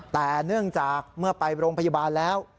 แต่เนื่องจากเมื่อไปโรงพยาบาลแล้ว